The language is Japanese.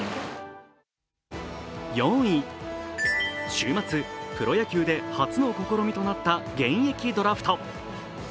週末、プロ野球で初の試みとなった現役ドラフト。